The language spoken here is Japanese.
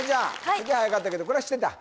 すげえはやかったけどこれは知ってた？